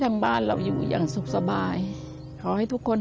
ทำงานชื่อนางหยาดฝนภูมิสุขอายุ๕๔ปี